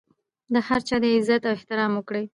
د هر چا د عزت احترام وکړئ.